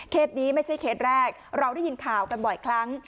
นี้ไม่ใช่เคสแรกเราได้ยินข่าวกันบ่อยครั้ง